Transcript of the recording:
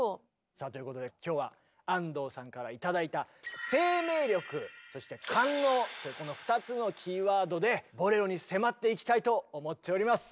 さあということで今日は安藤さんから頂いたというこの２つのキーワードで「ボレロ」に迫っていきたいと思っております！